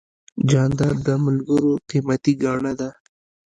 جانداد د ملګرو قیمتي ګاڼه ده.